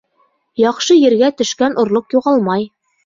Яҡшы ергә төшкән орлоҡ юғалмай.